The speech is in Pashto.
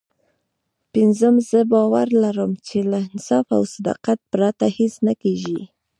پينځم زه باور لرم چې له انصاف او صداقت پرته هېڅ نه کېږي.